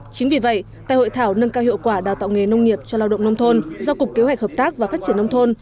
chính vì vậy tại hội thảo nâng cao hiệu quả đào tạo nghề nông nghiệp cho lao động nông thôn do cục kế hoạch hợp tác và phát triển nông thôn